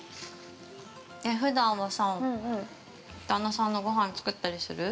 ◆普段はさ、旦那さんのごはん作ったりする？